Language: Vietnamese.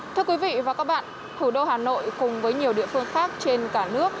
thưa quý vị và các bạn thủ đô hà nội cùng với nhiều địa phương khác trên cả nước